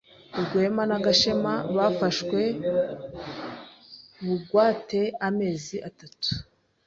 Rwema na Gashema bafashwe bugwate amezi atatu.